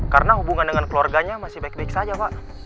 karena hubungan dengan keluarganya masih baik baik saja pak